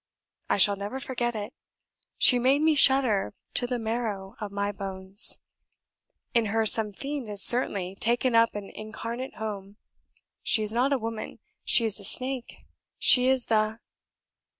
I shall never forget it. She made me shudder to the marrow of my bones; in her some fiend has certainly taken up an incarnate home. She is not a woman; she is a snake; she is the